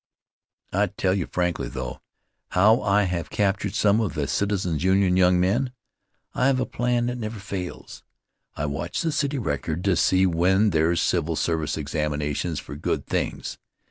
I tell you frankly, though, how I have captured some of the Citizens' Union's young men. I have a plan that never fails. I watch the City Record to see when there's civil service examinations for good things.